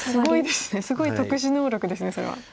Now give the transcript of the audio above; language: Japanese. すごい特殊能力ですねそれは。